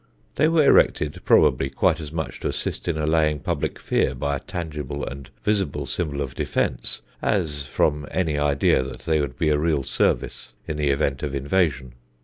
They were erected probably quite as much to assist in allaying public fear by a tangible and visible symbol of defence as from any idea that they would be a real service in the event of invasion.